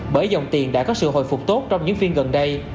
bởi dòng tiền đã có sự hồi phục tốt trong những phiên gần đây